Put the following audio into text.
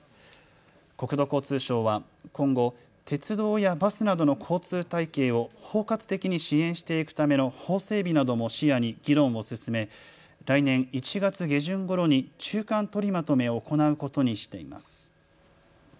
国土交通省は今後、鉄道やバスなどの交通体系を包括的に支援していくための法整備なども視野に議論を進め来年１月下旬ごろに中間取りまとめを行うことにしています。